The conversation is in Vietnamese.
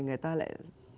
người ta lại